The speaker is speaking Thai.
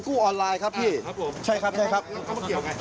เกี่ยวกับบังดีนมาสอบปากคำเนี่ย